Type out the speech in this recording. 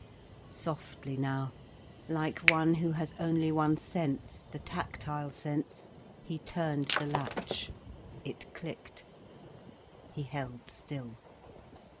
Softly now, like one who has only one sense, the tactile sense, he turned the latch. It clicked. He held still.